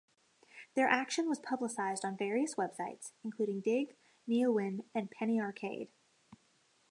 Their action was publicized on various websites, including Digg, Neowin, and Penny Arcade.